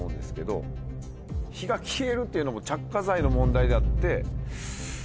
火が消えるっていうのも着火剤の問題であって。